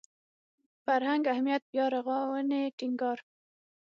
فرهنګ اهمیت بیارغاونې ټینګار